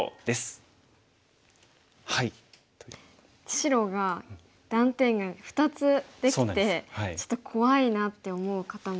白が断点が２つできてちょっと怖いなって思う方も。